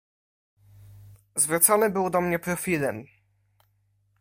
"Zwrócony był do mnie profilem."